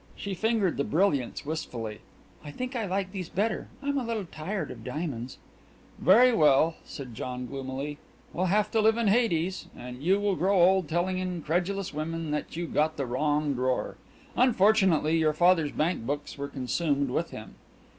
She fingered the brilliants wistfully. "I think I like these better. I'm a little tired of diamonds." "Very well," said John gloomily. "We'll have to live in Hades. And you will grow old telling incredulous women that you got the wrong drawer. Unfortunately, your father's bank books were consumed with him."